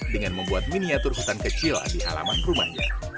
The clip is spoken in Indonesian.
dengan membuat miniatur hutan kecil di halaman rumahnya